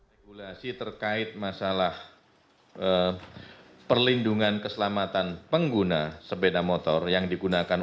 regulasi terkait masalah perlindungan keselamatan pengguna sepeda motor yang digunakan